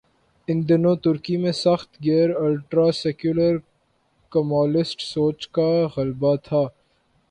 ان دنوں ترکی میں سخت گیر الٹرا سیکولر کمالسٹ سوچ کا غلبہ تھا۔